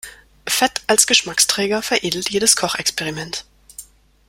Fett als Geschmacksträger veredelt jedes Kochexperiment.